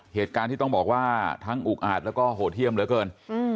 เหตุการณ์ที่ต้องบอกว่าทั้งอุกอาจแล้วก็โหดเยี่ยมเหลือเกิน